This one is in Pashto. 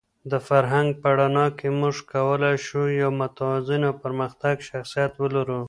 د فرهنګ په رڼا کې موږ کولای شو یو متوازن او پرمختللی شخصیت ولرو.